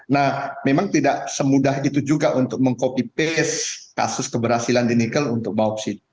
nah memang tidak semudah itu juga untuk meng copy paste kasus keberhasilan di nikel untuk bauksit